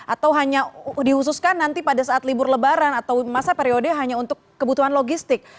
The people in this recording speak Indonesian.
atau hanya dihususkan nanti pada saat libur lebaran atau masa periode hanya untuk kebutuhan logistik